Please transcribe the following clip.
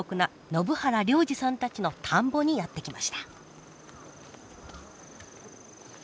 延原良治さんたちの田んぼにやって来ました。